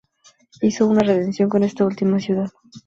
Hizo una redención en esta última ciudad.